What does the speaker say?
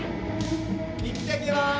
いってきます！